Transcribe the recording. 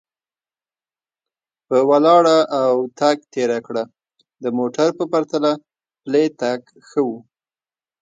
په ولاړه او تګ تېره کړه، د موټر په پرتله پلی تګ ښه و.